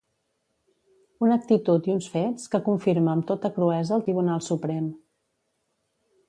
Una actitud i uns fets que confirma amb tota cruesa el Tribunal Suprem.